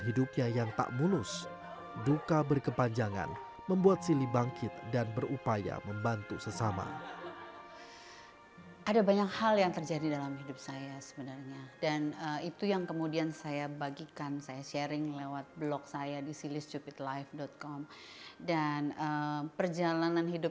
jadi perempuan yang seperti saat ini